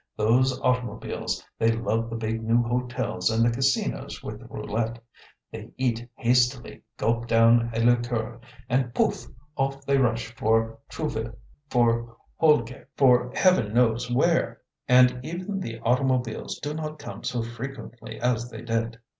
Those automobiles, they love the big new hotels and the casinos with roulette. They eat hastily, gulp down a liqueur, and pouf! off they rush for Trouville, for Houlgate for heaven knows where! And even the automobiles do not come so frequently as they did.